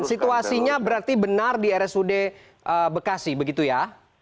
situasinya berarti benar di rsud bekasi begitu ya